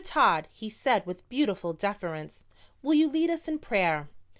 Todd," he said with beautiful deference, "will you lead us in prayer?"